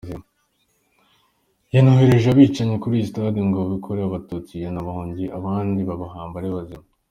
Yanohereje abicanyi kuri iyo sitade ngo barimbure Abatutsi bari bahahungiye, abandi babahamba ari bazima.